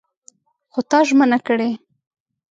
خو تا ژمنه کړې!